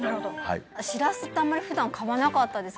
しらすってあんまり普段買わなかったです